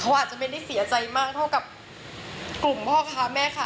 เขาอาจจะไม่ได้เสียใจมากเท่ากับกลุ่มพ่อค้าแม่ค้า